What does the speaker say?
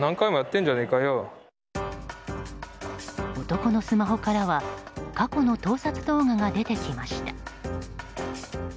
男のスマホからは過去の盗撮動画が出てきました。